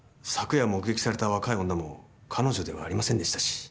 昨夜目撃された若い女も彼女ではありませんでしたし。